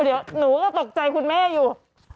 เดี๋ยวหนูก็ตกใจคุณแม่อยู่